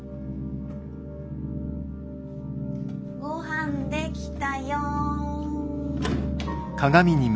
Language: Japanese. ごはんできたよん。